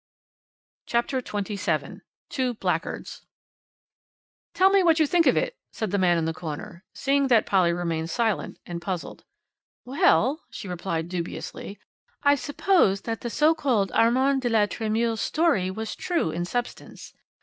CHAPTER XXVII TWO BLACKGUARDS "Tell me what you think of it," said the man in the corner, seeing that Polly remained silent and puzzled. "Well," she replied dubiously, "I suppose that the so called Armand de la Tremouille's story was true in substance.